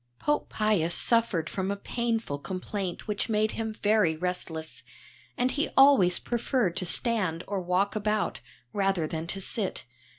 Pope Pius suffered from a painful complaint which made him very restless, and he always preferred to stand or walk about, rather than to sit.